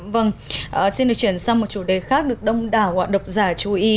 vâng xin được chuyển sang một chủ đề khác được đông đảo độc giả chú ý